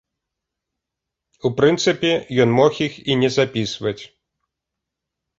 У прынцыпе, ён мог іх і не запісваць.